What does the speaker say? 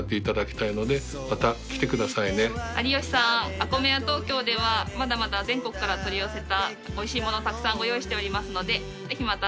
ＡＫＯＭＥＹＡＴＯＫＹＯではまだまだ全国から取り寄せたおいしいものたくさんご用意しておりますのでぜひまた遊びにいらしてください。